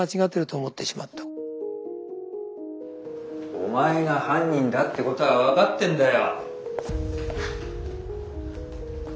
お前が犯人だってことは分かってんだよ。